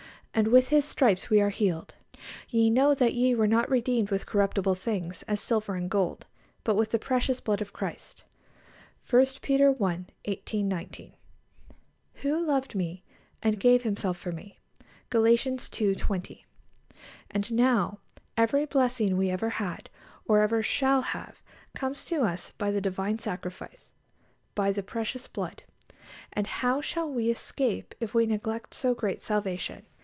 and with His stripes we are healed." "Ye know that ye were not redeemed with corruptible things, as silver and gold... but with the precious blood of Christ" (i Peter i. 18, 19); "Who loved me, and gave Himself for me" (Gal. ii. 20). And now every blessing we ever had, or ever shall have, comes to us by the Divine Sacrifice, by "the precious blood." And "How shall we escape, if we neglect so great salvation?"